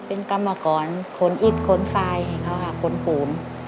เป็นกรรมกรคนอิสคนฟายเขาค่ะคนปูม